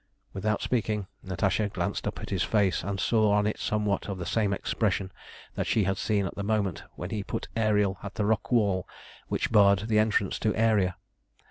Without speaking, Natasha glanced up at his face, and saw on it somewhat of the same expression that she had seen at the moment when he put the Ariel at the rock wall which barred the entrance to Aeria.